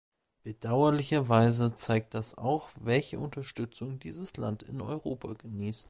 Bedauerlicherweise zeigt das auch, welche Unterstützung dieses Land in Europa genießt.